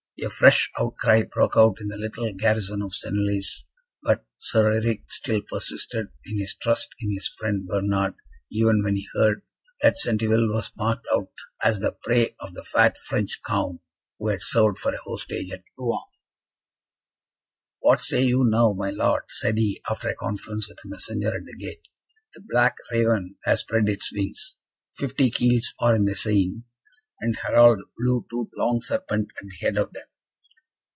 A fresh outcry broke out in the little garrison of Senlis, but Sir Eric still persisted in his trust in his friend Bernard, even when he heard that Centeville was marked out as the prey of the fat French Count who had served for a hostage at Rouen. "What say you now, my Lord?" said he, after a conference with a messenger at the gate. "The Black Raven has spread its wings. Fifty keels are in the Seine, and Harald Blue tooth's Long Serpent at the head of them."